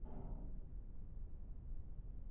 Tienen alas largas y un vuelo rápido y directo.